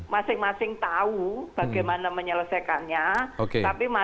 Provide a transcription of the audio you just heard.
masing masing tahu bagaimana menyelesaikannya